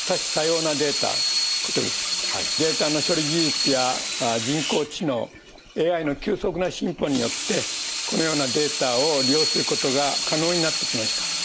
データの処理技術や人工知能ＡＩの急速な進歩によってこのようなデータを利用することが可能になってきました。